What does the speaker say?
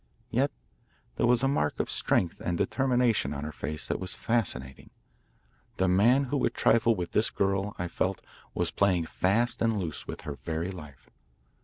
Yet there was a mark of strength and determination on her face that was fascinating. The man who would trifle with this girl, I felt, was playing fast and loose with her very life.